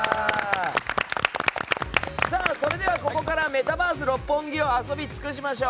それではここからメタバース六本木を遊び尽くしましょう。